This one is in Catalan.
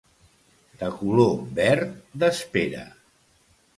De color verd d'espera.